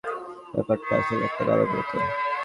ব্যাপারটা আসলে একটা গানের মতো।